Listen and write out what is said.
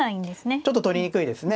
ちょっと取りにくいですね。